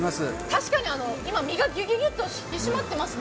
確かに今、身がギュギュギュッと締まっていますね。